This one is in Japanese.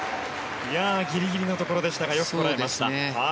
ギリギリのところでしたがよくこらえました。